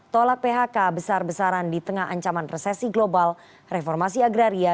tolak phk besar besaran di tengah ancaman resesi global reformasi agraria